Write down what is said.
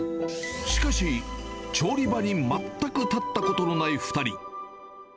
しかし調理場に全く立ったことのない２人。